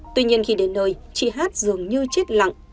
tuy nhiên khi đến nơi chị hát dường như chết lặng